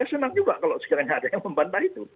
saya senang juga kalau sekiranya ada yang membantah itu